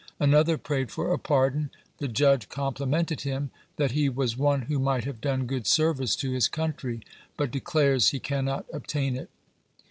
Another prayed for a pardon; the judge complimented him, that "he was one who might have done good service to his country," but declares he cannot obtain it.